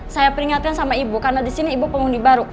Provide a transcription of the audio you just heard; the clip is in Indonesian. saya peringatkan sama ibu karena di sini ibu pengundi baru